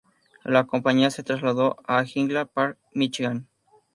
La compañía se trasladó a Highland Park, Michigan.